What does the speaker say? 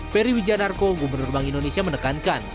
peri widja narko gubernur bank indonesia menekankan